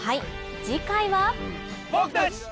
次回は。